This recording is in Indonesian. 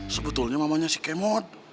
sebetulnya mamanya si kemot